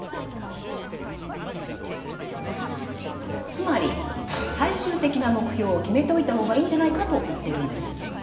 つまり最終的な目標を決めておいた方がいいんじゃないかと言ってるんです。